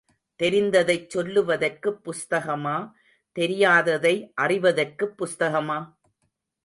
தெரிந்ததைச் சொல்லுவதற்குப் புஸ்தகமா, தெரியாததை அறிவதற்குப் புஸ்தகமா?